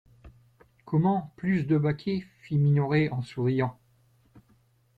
Comment! plus de baquets? fit Minoret en souriant.